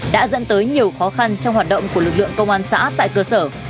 đã dẫn tới nhiều khó khăn trong hoạt động của lực lượng công an xã tại cơ sở